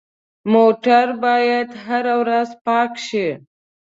موټر باید هره ورځ پاک شي.